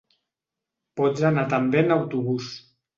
Pots anar també en autobus.